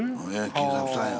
金作さんや。